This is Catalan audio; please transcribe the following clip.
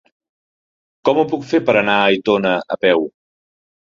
Com ho puc fer per anar a Aitona a peu?